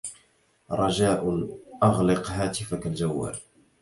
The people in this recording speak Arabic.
رجاء، أغلق هاتفك الجوال.